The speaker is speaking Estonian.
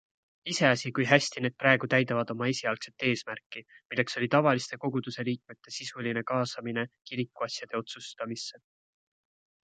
Iseasi, kui hästi need praegu täidavad oma esialgset eesmärki, milleks oli tavaliste koguduseliikmete sisuline kaasamine kirikuasjade otsustamisse.